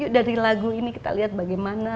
dari lagu ini kita lihat bagaimana